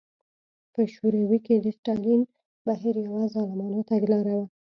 په شوروي کې د ستالین بهیر یوه ظالمانه تګلاره وه.